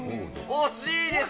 惜しいです。